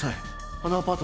あのアパート